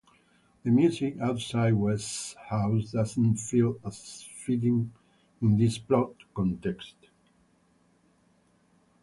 The music outside Wess's house doesn't feel as fitting in this plot context.